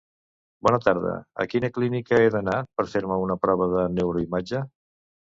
Bona tarda, a quina clínica he d'anar per fer-me una prova de neuroimatge?